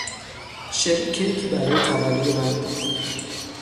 شری کیکی برای تولد من پخت.